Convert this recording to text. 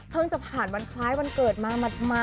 เพิ่งจะผ่านวันคล้ายวันเกิดมาก